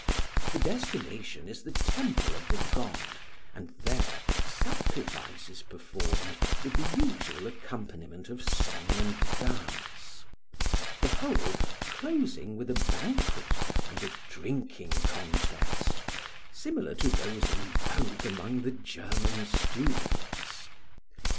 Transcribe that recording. The destination is the temple of the god and there sacrifice is performed with the usual accompaniment of song and dance; the whole closing with a banquet and a drinking contest, similar to those in vogue among the German students.